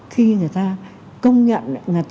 khi người ta công nhận